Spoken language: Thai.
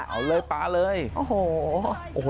เอาเลยปลาเลยโอ้โห